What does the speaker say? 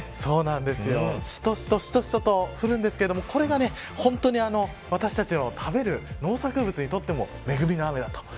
しとしとと降るんですがこれが本当に私たちの食べる農作物にとっても恵みの雨です。